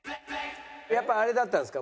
やっぱあれだったんですか？